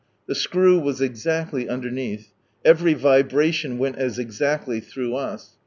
The screw was exactly underneath, every vibration went as exactly through us.